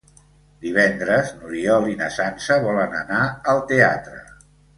Divendres n'Oriol i na Sança volen anar al teatre.